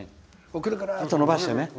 くるくるーっと伸ばしてね。